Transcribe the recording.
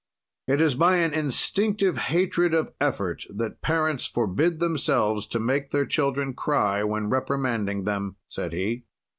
"It is by an instinctive hatred of effort that parents forbid themselves to make their children cry when reprimanding them," said he.